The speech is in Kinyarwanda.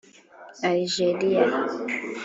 Aligeriya